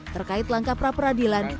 terkait langkah pra peradilan